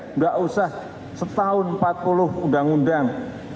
tidak usah setahun empat puluh undang undang